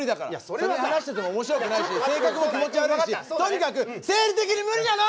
それに話してても面白くはないし性格も気持ち悪いしとにかく生理的に無理なの！